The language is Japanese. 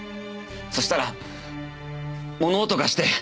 そしたら物音がして。